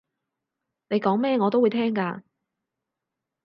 你講咩我都會聽㗎